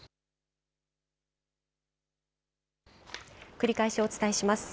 繰り返しお伝えします。